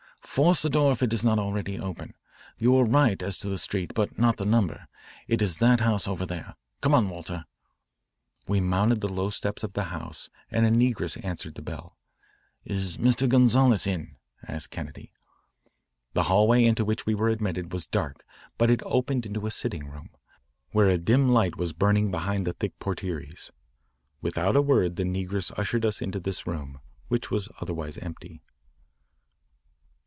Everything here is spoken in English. Force the door if it is not already open. You were right as to the street but not the number. It is that house over there. Come on, Walter." We mounted the low steps of the house and a negress answered the bell. "Is Mr. Gonzales in?" asked Kennedy. The hallway into which we were admitted was dark but it opened into a sitting room, where a dim light was burning behind the thick portieres. Without a word the negress ushered us into this room, which was otherwise empty.